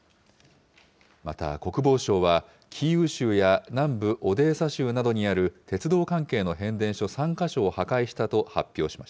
また国防省は、キーウ州や南部オデーサ州などにある鉄道関係の変電所３か所を破壊したと発表しま